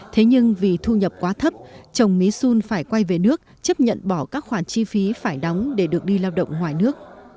thế nhưng vì thu nhập quá thấp chồng mỹ xuân phải quay về nước chấp nhận bỏ các khoản chi phí phải đóng để được đi lao động ngoài nước